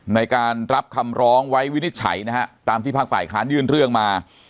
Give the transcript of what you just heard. ในการรับคำร้องไว้วินิจฉัยนะฮะตามที่ภาคฝ่ายค้านยื่นเรื่องมา